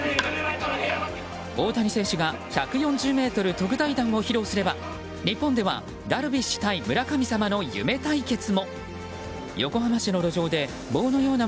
大谷選手が１４０ｍ特大弾を披露すれば日本ではダルビッシュ対、村神様の夢対決も。